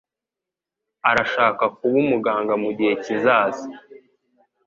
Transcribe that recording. Arashaka kuba umuganga mugihe kizaza.